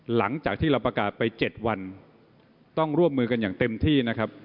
หลังจากที่เราประกาศไป๗วันต้องร่วมมือกันอย่างเต็มที่นะครับ